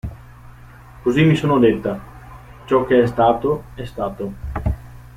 Così mi sono detta: ciò che è stato, è stato.